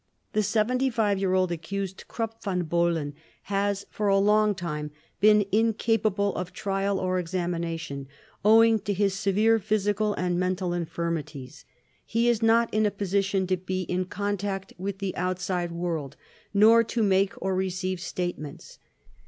The 75 year old accused Krupp von Bohlen has for a long time been incapable of trial or examination owing to his severe physical and mental infirmities. He is not in a position to be in contact with the outside world nor to make or receive statements.